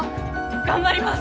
頑張ります！